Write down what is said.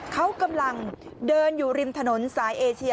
เขากำลังเดินอยู่ริมถนนสายเอเชีย